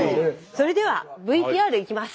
それではＶＴＲいきます。